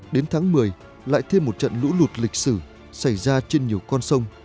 đến tháng một mươi lại thêm một trận lũ lụt lịch sử xảy ra trên nhiều con sông